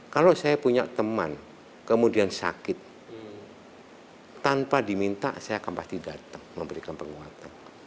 kalau saya punya teman kemudian sakit tanpa diminta saya akan pasti datang memberikan penguatan